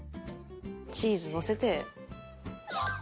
チーズのせて。